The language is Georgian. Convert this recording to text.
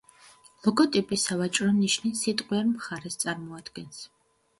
ლოგოტიპი სავაჭრო ნიშნის სიტყვიერ მხარეს წარმოადგენს.